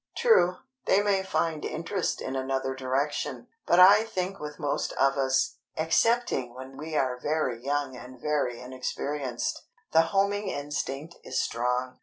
True, they may find interest in another direction; but I think with most of us—excepting when we are very young and very inexperienced—the homing instinct is strong.